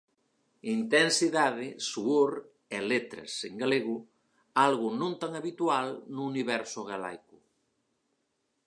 Intensidade, suor e letras en galego, algo non tan habitual no universo galaico.